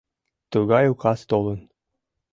Тугай указ толын...